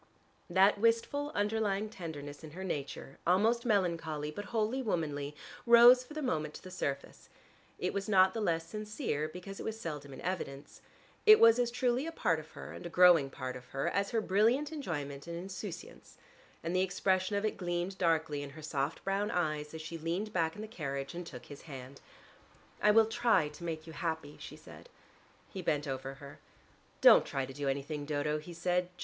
That wistful, underlying tenderness in her nature, almost melancholy but wholly womanly, rose for the moment to the surface. It was not the less sincere because it was seldom in evidence. It was as truly part of her (and a growing part of her) as her brilliant enjoyment and insouciance. And the expression of it gleamed darkly in her soft brown eyes, as she leaned back in the carriage and took his hand. "I will try to make you happy," she said. He bent over her. "Don't try to do anything, Dodo," he said.